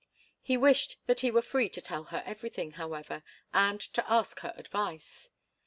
He wished that he were free to tell her everything, however, and to ask her advice.